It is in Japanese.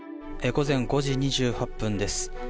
午前５時２８分です。